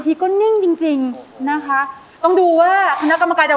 กีดน้ำที่มันไล่ลงมาจากขอบตาไม่ขาดหนุก